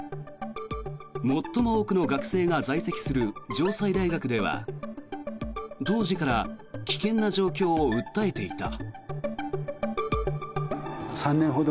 最も多くの学生が在籍する城西大学では当時から危険な状況を訴えていた。